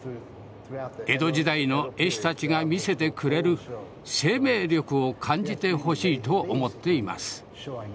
江戸時代の絵師たちが見せてくれる生命力を感じてほしいと思っています。